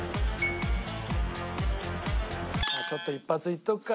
ちょっと一発いっとくか。